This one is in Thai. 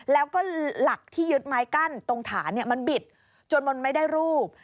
แล้วก็หลักที่ยึดไม้กั้นตรงฐานมันบิดจนมันไม่ได้รูป